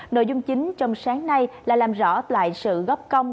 nội dung chính trong sáng nay là làm rõ lại sự góp công